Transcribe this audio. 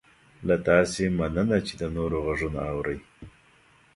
له تاسې مننه چې د نورو غږونه اورئ